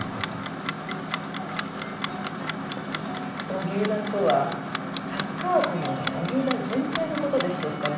オギュウダとはサッカー部の荻生田隼平のことでしょうか？